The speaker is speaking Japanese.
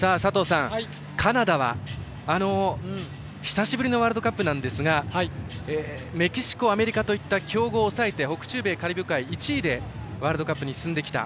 カナダは、久しぶりのワールドカップなんですがメキシコ、アメリカといった強豪を抑えて北中米カリブ予選の１位でワールドカップに進んできた。